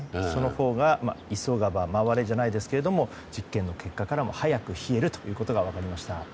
急がば回れじゃないですがそのほうが実験の結果からも早く冷えるということが分かりました。